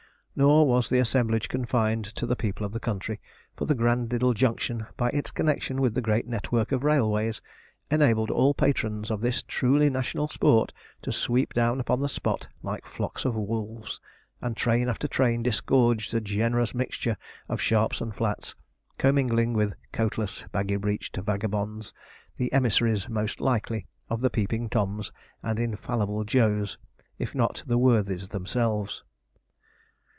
Nor was the assemblage confined to the people of the country, for the Granddiddle Junction, by its connection with the great network of railways, enabled all patrons of this truly national sport to sweep down upon the spot like flocks of wolves; and train after train disgorged a generous mixture of sharps and flats, commingling with coatless, baggy breeched vagabonds, the emissaries most likely of the Peeping Toms and Infallible Joes, if not the worthies themselves.